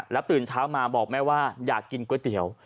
ตื่นเช้ามาบอกแม่ว่าอยากกินก๋วยเตี๋ยว